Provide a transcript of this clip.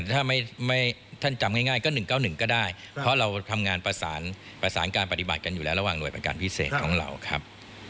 ถ้าท่านจำง่ายก็๑๙๑ก็ได้เพราะเราทำงานประสานการปฏิบัติกันอยู่แล้วระหว่างหน่วยประการพิเศษของเราครับ